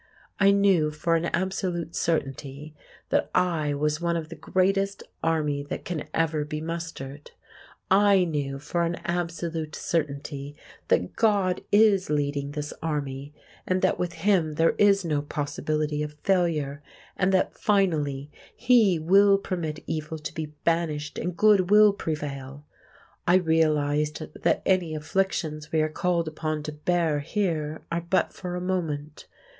I knew for an absolute certainty that I was one of the greatest army that can ever be mustered; I knew for an absolute certainty that God is leading this army, and that with Him there is no possibility of failure, and that finally He will permit evil to be banished and Good will prevail. I realised that any afflictions we are called upon to bear here are but for a moment.